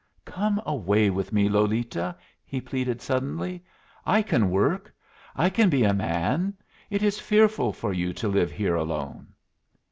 "Come away with me, Lolita!" he pleaded, suddenly. "I can work. I can be a man. It is fearful for you to live here alone."